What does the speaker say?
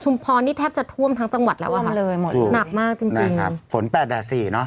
ชุมพอร์นี่แทบจะท่วมทั้งจังหวัดแล้วค่ะท่วมเลยหมดเลยหนักมากจริงจริง